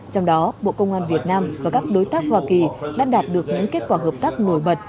trong đó bộ công an việt nam và các đối tác hoa kỳ đã đạt được những kết quả hợp tác nổi bật